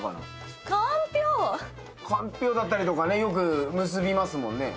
かんぴょうだったりとかよく結びますもんね。